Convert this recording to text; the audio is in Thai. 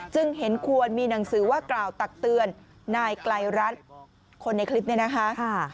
จึงเห็นควรมีหนังสือว่ากล่าวตักเตือนนายไกลรัฐคนในคลิปนี้นะคะ